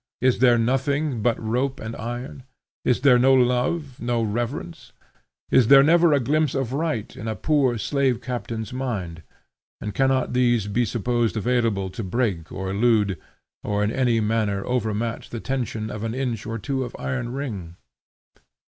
Is there nothing but rope and iron? Is there no love, no reverence? Is there never a glimpse of right in a poor slave captain's mind; and cannot these be supposed available to break or elude or in any manner overmatch the tension of an inch or two of iron ring?